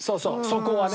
そこはね。